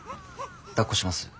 だっこします？